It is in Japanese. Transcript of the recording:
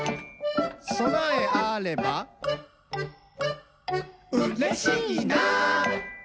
「そなえあればうれしいな！」